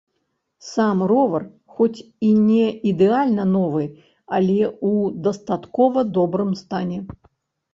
Сам ровар хоць і не ідэальна новы, але ў дастаткова добрым стане.